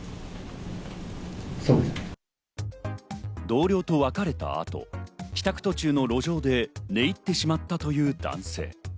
同僚と別れた後、帰宅途中の路上で寝入ってしまったという男性。